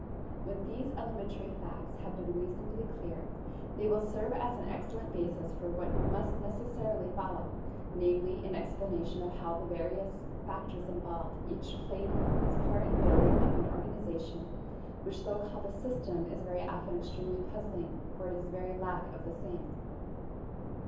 When these elementary facts have been made reasonably clear, they will serve as an excellent basis for what must necessarily follow, namely, an explanation of how the various factors involved each played its part in building up an organization which though called a system is very often extremely puzzling for its very lack of the same.